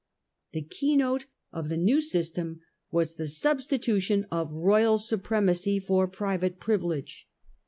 The keynote of the new system was the substitution of royal supremacy for private privilege.